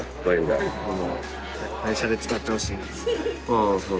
ああそう。